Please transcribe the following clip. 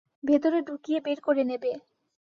ভেতরে ঢুকিয়ে বের করে নেবে।